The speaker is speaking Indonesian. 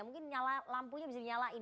mungkin lampunya bisa dinyalain